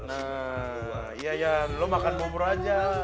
nah iya yan lo makan bubur aja lah